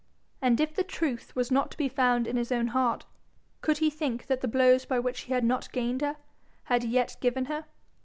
And if the Truth was not to be found in his own heart, could he think that the blows by which he had not gained her had yet given her?